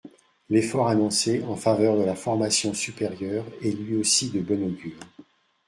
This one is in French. L’effort annoncé en faveur de la formation supérieure est lui aussi de bon augure.